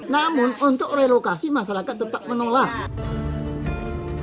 namun untuk relokasi masyarakat tetap menolak